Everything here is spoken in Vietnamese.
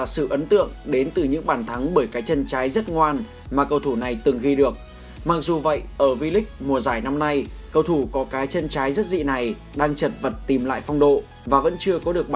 xin chào và hẹn gặp lại trong các video tiếp theo